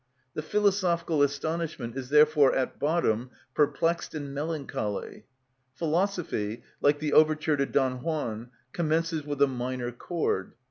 The philosophical astonishment is therefore at bottom perplexed and melancholy; philosophy, like the overture to "Don Juan," commences with a minor chord.